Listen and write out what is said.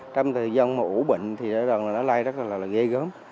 trong thời gian ủ bệnh thì nó lai rất là ghê gớm